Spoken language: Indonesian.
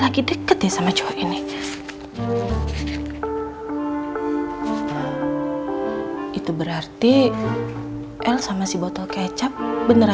gue juga telfon si rara aja pak